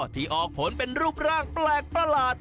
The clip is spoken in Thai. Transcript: ที่ออกผลเป็นรูปร่างแปลกประหลาด